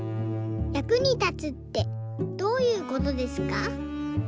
役に立つってどういうことですか？」。